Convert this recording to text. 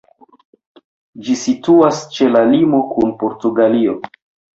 Ĝi situas ĉe la limo kun Portugalio.